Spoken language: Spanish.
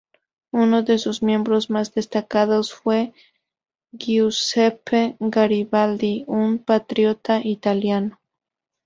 Uno de sus miembros más destacados fue Giuseppe Garibaldi, un patriota italiano.